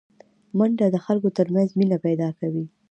منډه د خلکو ترمنځ مینه پیداکوي